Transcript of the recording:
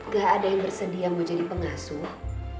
gak ada yang bersedia mau jadi pengasuh